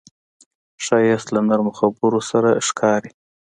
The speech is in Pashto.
ښایست له نرمو خبرو سره ښکاري